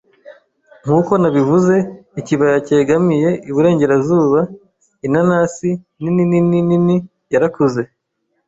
nkuko nabivuze, ikibaya cyegamiye iburengerazuba. Inanasi, nini nini nini, yarakuze